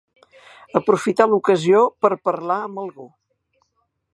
Aprofitar l'ocasió per a parlar amb algú.